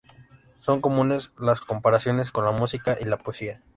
Son comunes las comparaciones con la música y la poesía.